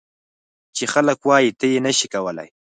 چې خلک وایي ته یې نه شې کولای.